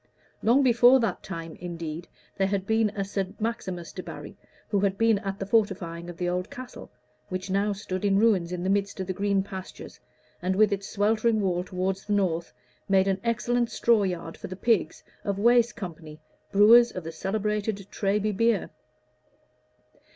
Long before that time, indeed, there had been a Sir Maximus Debarry who had been at the fortifying of the old castle, which now stood in ruins in the midst of the green pastures, and with its sheltering wall toward the north made an excellent strawyard for the pigs of Wace & Co., brewers of the celebrated Treby beer.